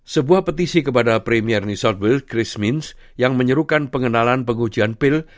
sebuah petisi kepada premier news south wales chris means yang menyerukan pengenalan pengujian pil